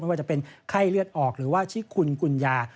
ว่าจะเป็นไข้เลือดออกหรือว่าชิคุณกุญญา